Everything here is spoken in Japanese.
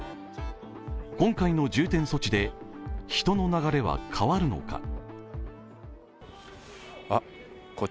今回の重点措置で人の流れは変わるのか。